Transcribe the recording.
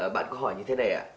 bạn có hỏi như thế này ạ